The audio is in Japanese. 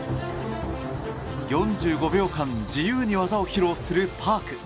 ４５秒間、自由に技を披露するパーク。